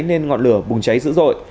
nên ngọn lửa bùng cháy dữ dội